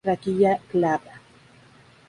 Raquilla glabra.